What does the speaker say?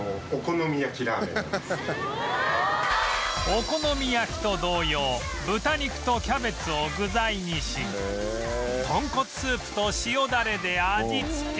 お好み焼きと同様豚肉とキャベツを具材にし豚骨スープと塩ダレで味付け